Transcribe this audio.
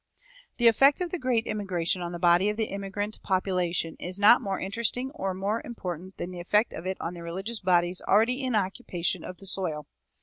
The effect of the Great Immigration on the body of the immigrant population is not more interesting or more important than the effect of it on the religious bodies already in occupation of the soil.